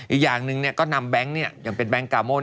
อีกอย่างหนึ่งก็นำแบงค์อย่างเป็นแก๊งกาโมน